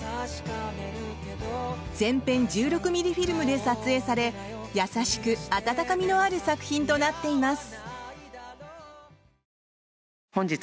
全編１６ミリフィルムで撮影され優しく温かみのある作品となっています。